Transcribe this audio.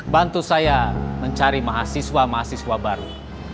bantu saya mencari mahasiswa mahasiswa baru